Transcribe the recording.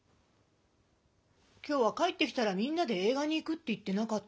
今日は帰ってきたらみんなでえい画に行くって言ってなかった？